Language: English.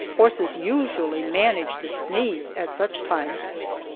Horses usually manage to sneeze at such times.